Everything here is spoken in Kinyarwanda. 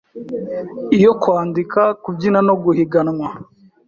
iyo kwandika, kubyina no guhiganwa